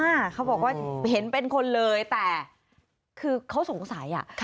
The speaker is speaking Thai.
เขาบอกว่าเห็นเป็นคนเลยแต่คือเขาสงสัยอ่ะค่ะ